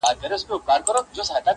که راتلې زه در څخه هېر نه سمه_